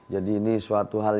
jadi ini suatu hal